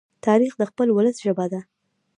تاریخ د خپل ولس ژبه ده.